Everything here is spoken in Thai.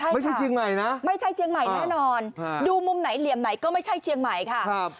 ไม่ใช่เชียงใหม่นะไม่ใช่เชียงใหม่แน่นอนดูมุมไหนเหลี่ยมไหนก็ไม่ใช่เชียงใหม่ค่ะ